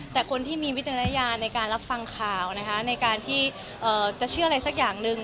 แต่คนที่มีวิจารณญาณในการรับฟังข่าวนะคะในการที่จะเชื่ออะไรสักอย่างหนึ่ง